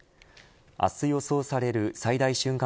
明日予想される最大瞬間